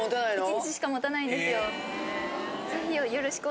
１日しか持たないんですよ。